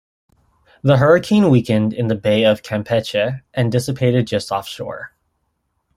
The hurricane weakened in the Bay of Campeche and dissipated just offshore.